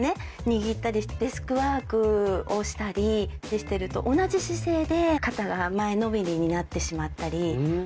握ったりデスクワークをしたりしてると同じ姿勢で肩が前のめりになってしまったり。